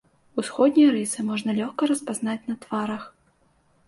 Усходнія рысы можна лёгка распазнаць на тварах.